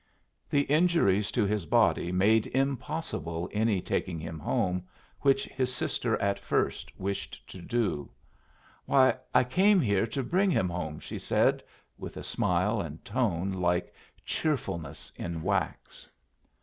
The injuries to his body made impossible any taking him home, which his sister at first wished to do. "Why, I came here to bring him home," she said, with a smile and tone like cheerfulness in wax.